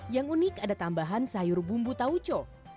yang unik ada tambahan sayur bumbu tauco